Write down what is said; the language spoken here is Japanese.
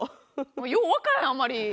もうよう分からんあんまり。